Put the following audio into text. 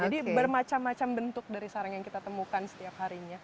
jadi bermacam macam bentuk dari sarang yang kita temukan setiap harinya